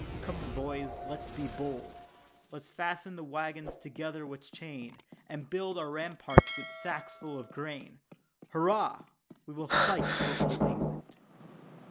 "Come, boys, let's be bold; Let's fasten the waggons together with chain, And build up our ramparts with sacks full of grain." "Hurrah, we will fight for Old England."